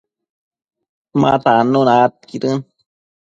ma tannuna aidquidën